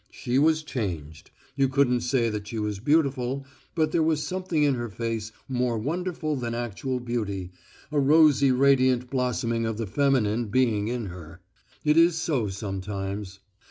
She was changed; you couldn't say that she was beautiful, but there was something in her face more wonderful than actual beauty, a rosy radiant blossoming of the feminine being in her. It is so sometimes.